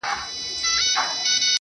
د ژوند خوارۍ كي يك تنها پرېږدې~